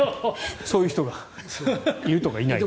そういう人がいるとかいないとか。